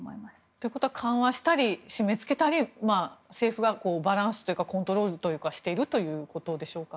ということは緩和したり締め付けたり、政府がバランスをコントロールをしているということでしょうか？